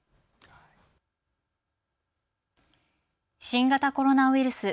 新型コロナウイルス。